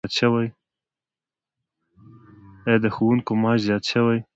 آیا د ښوونکو معاش زیات شوی؟